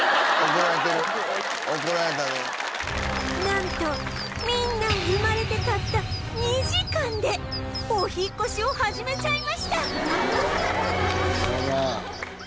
なんとみんな生まれてたった２時間でお引っ越しを始めちゃいました